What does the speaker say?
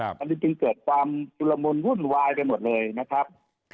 อันนี้จึงเกิดความชุลมุนวุ่นวายกันหมดเลยนะครับ